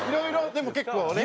でも結構ね。